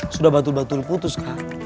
sudah batul batul putus kak